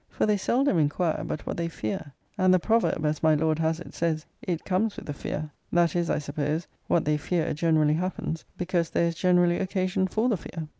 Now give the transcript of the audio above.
For they seldom inquire, but what they fear and the proverb, as my Lord has it, says, It comes with a fear. That is, I suppose, what they fear generally happens, because there is generally occasion for the fear.